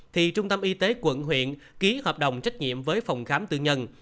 thì trung tâm y tế quận huyện ký hợp đồng trách nhiệm với phòng khám tư nhân